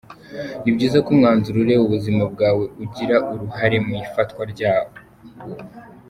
Ni byiza ko umwanzuro ureba ubuzima bwawe ugira uruhare mu ifatwa ryawo.